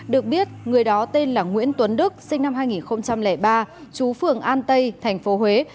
được biết người đó tên là nguyễn tuấn đức sinh năm hai nghìn ba chú phường an tây tp huế